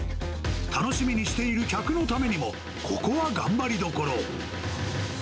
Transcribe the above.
楽しみにしている客のためにも、ここは頑張りどころ。